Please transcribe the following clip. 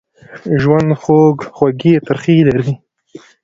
ژوند خوږې ترخې لري.